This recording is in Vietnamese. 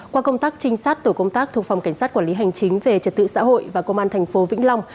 qua công tác trinh sát tổ công tác thuộc phòng cảnh sát quản lý hành chính về trật tự xã hội và công an thành phố vĩnh long